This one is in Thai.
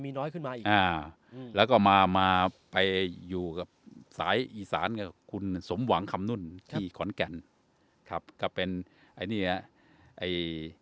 มีน้อยขึ้นมาอีกอ่าแล้วก็มามาไปอยู่กับสายอีสานกับคุณสมหวังคำนุ่นที่ขอนแก่นครับก็เป็นไอ้เนี้ยไอ้